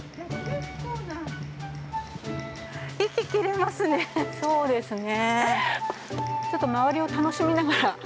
息、切れますね。